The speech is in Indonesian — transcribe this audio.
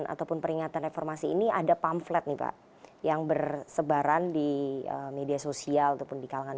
atau peringatan reformasi ini ada pamflet niba yang bersebaran di media sosial tebspun di kalangan